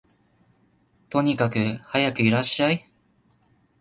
とにかくはやくいらっしゃい